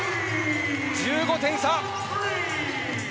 １５点差！